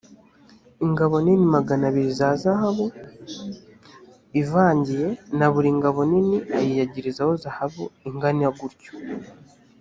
ingabo nini magana abiri za zahabu ivangiye na buri ngabo nini ayiyagirizaho zahabu ingana gutyo